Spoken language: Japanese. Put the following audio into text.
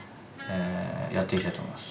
えやっていきたいと思います。